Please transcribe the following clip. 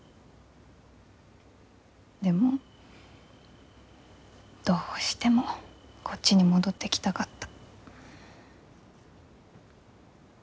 でもどうしてもこっちに戻ってきたかった。